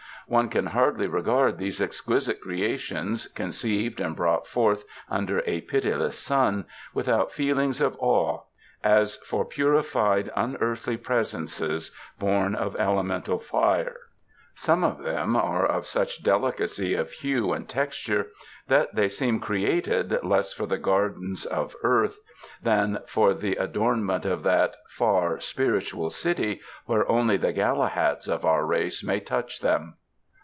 One can hardly regard these exquisite creations, conceived and brought forth under a pitiless sun, without feelings of awe, as for purified unearthly presences born of elemental fire. Some of them are of such delicacy of hue and texture that they seem created less for the gardens of earth than for the 42 THE DESERTS adornment of that far, spiritual city," where only the Galabads of our race may touch them.